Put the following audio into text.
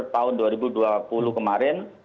tahun dua ribu dua puluh kemarin